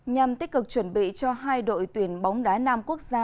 nhằm tích cực chuẩn bị cho hai đội tuyển bóng đá nam quốc gia